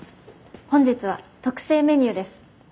本日は特製メニューです。